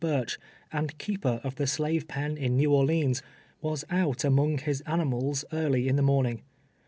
Burcli, ami keeper of the slave pen in Xew Orleans, was ont among his animals early in the morning.